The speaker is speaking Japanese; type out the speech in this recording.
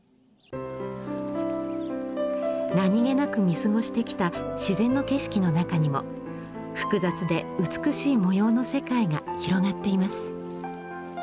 何気なく見過ごしてきた自然の景色の中にも複雑で美しい模様の世界が広がっています。